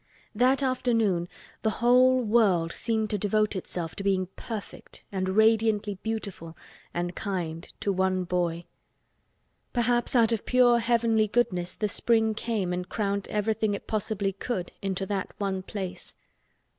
That afternoon the whole world seemed to devote itself to being perfect and radiantly beautiful and kind to one boy. Perhaps out of pure heavenly goodness the spring came and crowded everything it possibly could into that one place.